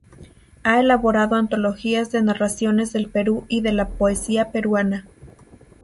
Ha elaborado antologías de narraciones del Perú y de la poesía peruana.